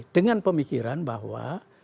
dengan pemikiran bahwa